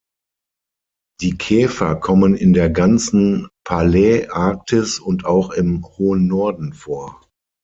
Die Käfer kommen in der ganzen Paläarktis und auch im hohen Norden vor.